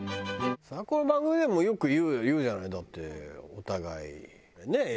それはこの番組でもよく言うじゃないだってお互いねえ。